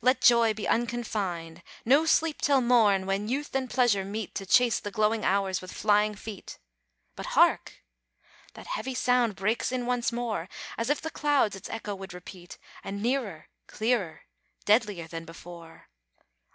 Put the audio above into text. let joy be unconfined; No sleep till morn, when Youth and Pleasure meet To chase the glowing Hours with flying feet. But hark! that heavy sound breaks in once more, As if the clouds its echo would repeat; And nearer, clearer, deadlier than before!